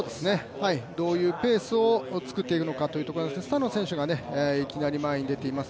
どういうペースを作っていくのかというところですがスタノ選手がいきなり前に出ています。